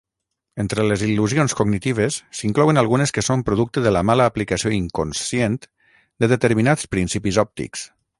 Entre les il·lusions cognitives s"inclouen algunes que són producte de la mala aplicació inconscient de determinats principis òptics.